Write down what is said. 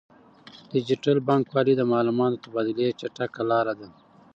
ډیجیټل بانکوالي د معلوماتو د تبادلې چټکه لاره ده.